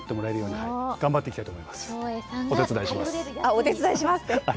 お手伝いします。